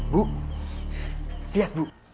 bu lihat bu